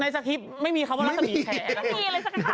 ในสกิปไม่มีคำว่าราสมี่แคะ